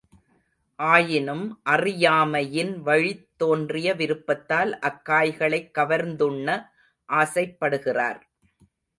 ஆயினும் அறியாமையின் வழித் தோன்றிய விருப்பத்தால் அக் காய்களைக் கவர்ந்துண்ண ஆசைப்படுகிறார்.